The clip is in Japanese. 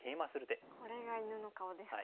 これが犬の顔ですか。